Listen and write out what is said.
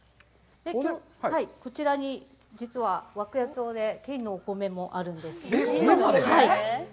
こちらに実は涌谷町で金のお米もあるんです。